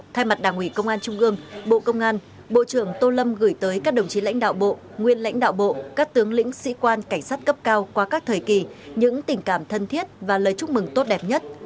thay mặt đảng ủy công an trung ương bộ công an bộ trưởng tô lâm gửi tới các đồng chí lãnh đạo bộ nguyên lãnh đạo bộ các tướng lĩnh sĩ quan cảnh sát cấp cao qua các thời kỳ những tình cảm thân thiết và lời chúc mừng tốt đẹp nhất